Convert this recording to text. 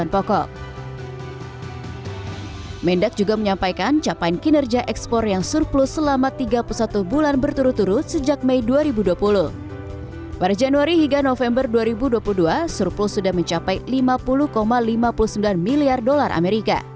pada januari hingga november dua ribu dua puluh dua surplus sudah mencapai lima puluh lima puluh sembilan miliar dolar amerika